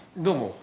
どうも。